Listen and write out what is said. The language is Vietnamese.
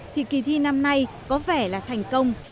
thì kỳ thi năm nay có vẻ là thành công